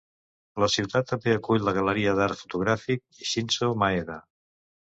La ciutat també acull la galeria d'art fotogràfic Shinzo Maeda.